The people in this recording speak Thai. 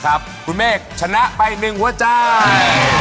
คุณเมฆชนะไป๑หัวใจ